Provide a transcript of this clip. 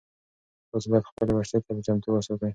تاسو باید خپلې وسلې تل چمتو وساتئ.